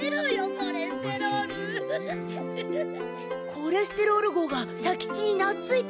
コレステロール号が左吉になついた。